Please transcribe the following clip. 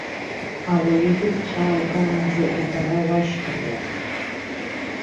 Ауаҩы дыгәхьааугаанӡа ибара уашьҭамлан.